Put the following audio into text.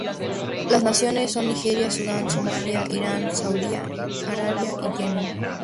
Las naciones son Nigeria, Sudan Somalia, Irán, Saudí Arabia y Yemen.